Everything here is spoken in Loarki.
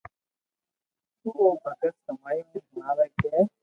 تو او ڀگت سمايو ني ھڻاوي ڪي